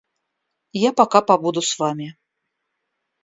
Я пока побуду с вами.